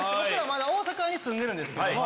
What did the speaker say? まだ大阪に住んでるんですけども。